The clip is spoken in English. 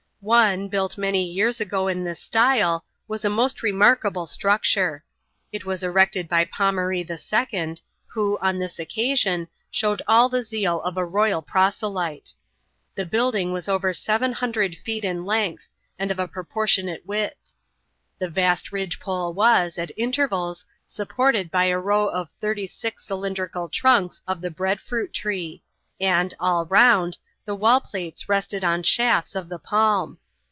One, built many years ago in this style, was a most remark able structure. It was erected by Pomaree II., who, on this occasion, showed all the zeal of a royal proselyte. The build ing was over seven hundred feet in length, and of a propor tionate width ; the vast ridge pole was, at intervals, supported by a row of thirty six cylindrical trunks of the bread fruit tree; and, all round, the wall plates rested on shafts of the palm.